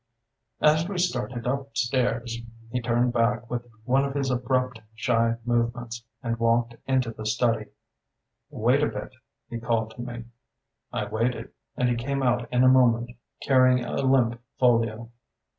As we started upstairs he turned back with one of his abrupt shy movements, and walked into the study. "Wait a bit!" he called to me. I waited, and he came out in a moment carrying a limp folio.